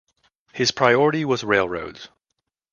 His priority was railroads.